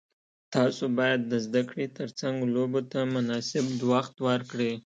تاسو باید د زده کړې ترڅنګ لوبو ته مناسب وخت ورکړئ.